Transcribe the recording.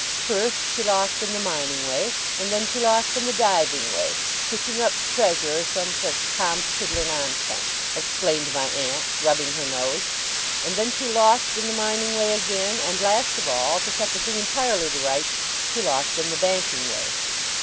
First, she lost in the mining way, and then she lost in the diving way fishing up treasure, or some such Tom Tiddler nonsense,' explained my aunt, rubbing her nose; 'and then she lost in the mining way again, and, last of all, to set the thing entirely to rights, she lost in the banking way.